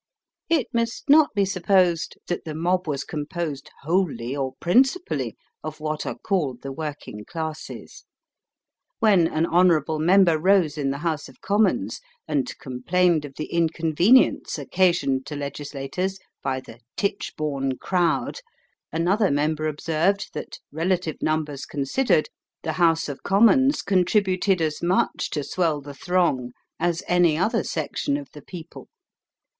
It must not be supposed that the mob was composed wholly or principally of what are called the working classes. When an hon. member rose in the House of Commons, and complained of the inconvenience occasioned to legislators by the "Tichborne crowd," another member observed that, relative numbers considered, the House of Commons contributed as much to swell the throng as any other section of the people.